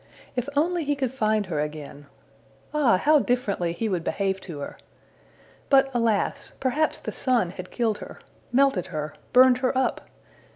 If only he could find her again! Ah, how differently he would behave to her! But alas! perhaps the sun had killed her melted her burned her up!